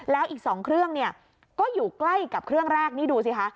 แล้วอีก๒เครื่องเนี่ยก็อยู่ใกล้กับเครื่องแรกนี่ดูสิคะ